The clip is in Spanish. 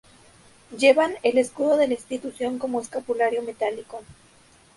Llevan el escudo de la institución como escapulario metálico.